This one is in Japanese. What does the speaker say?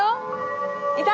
いた！